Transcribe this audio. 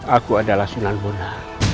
aku adalah sunan buna